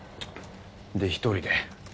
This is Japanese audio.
で１人で。